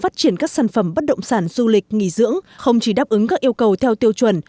phát triển các sản phẩm bất động sản du lịch nghỉ dưỡng không chỉ đáp ứng các yêu cầu theo tiêu chuẩn